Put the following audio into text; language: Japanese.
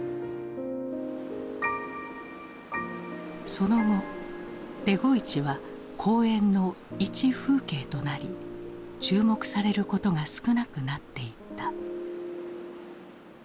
その後デゴイチは公園の一風景となり注目されることが少なくなっていった。